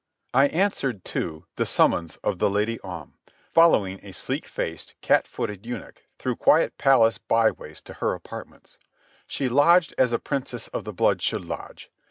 I answered, too, the summons of the Lady Om, following a sleek faced, cat footed eunuch through quiet palace byways to her apartments. She lodged as a princess of the blood should lodge.